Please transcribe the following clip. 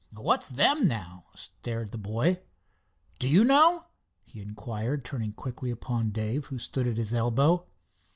"What's them, now?" stared the boy. "Do you know?" he inquired turning quickly upon Dave, who stood at his elbow.